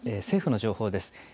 政府の情報です。